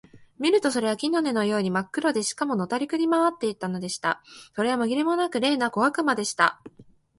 見るとそれは木の根のようにまっ黒で、しかも、のたくり廻っているのでした。それはまぎれもなく、例の小悪魔でした。